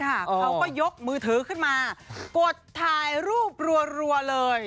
เขาก็ยกมือถือขึ้นมากดถ่ายรูปรัวเลย